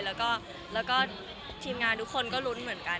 แล้วก็แล้วก็ทีมงานทุกคนก็รุ้นเหมือนกันค่ะ